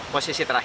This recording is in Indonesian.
ketika ini terakhir